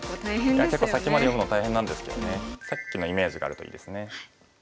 いや結構先まで読むのは大変なんですけどねさっきのイメージがあるといいですね。